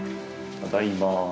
ただいま。